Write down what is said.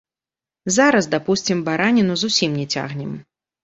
Зараз, дапусцім, бараніну зусім не цягнем.